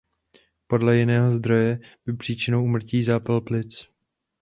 Podle jiného zdroje byl příčinou úmrtí zápal plic.